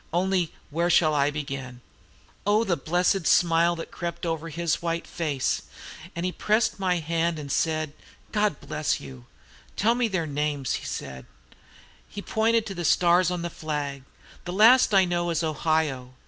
Only, where shall I begin?' "Oh, the blessed smile that crept over his white face! and he pressed my hand and said, 'God bless you! 'Tell me their names,' he said, and he pointed to the stars on the flag. 'The last I know is Ohio.